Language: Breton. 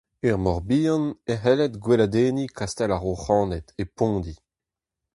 Er Mor-Bihan e c'helled gweladenniñ kastell ar Roc'haned e Pondi.